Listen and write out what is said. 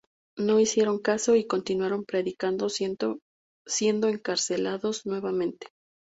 No hicieron caso y continuaron predicando, siendo encarcelados nuevamente.